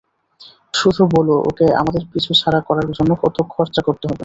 শুধু বলো ওকে আমাদের পিছুছাড়া করার জন্য কত খরচা করতে হবে!